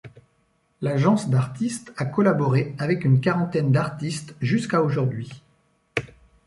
L’Agence d’artistes a collaboré avec une quarantaine d’artistes jusqu’à aujourd’hui.